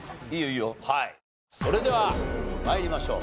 はいそれでは参りましょう。